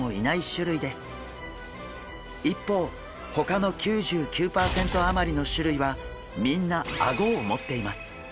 一方ほかの９９パーセント余りの種類はみんなアゴを持っています。